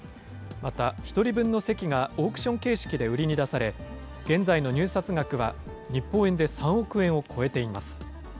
また、１人分の席がオークション形式で売りに出され、現在の入札額は日本円で３億円を超えています。